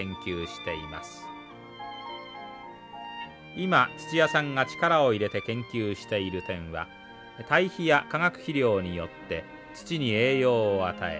今土屋さんが力を入れて研究している点は堆肥や化学肥料によって土に栄養を与え